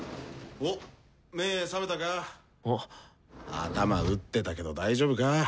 頭打ってたけど大丈夫か？